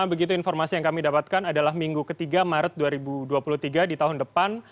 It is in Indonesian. begitu informasi yang kami dapatkan adalah minggu ketiga maret dua ribu dua puluh tiga di tahun depan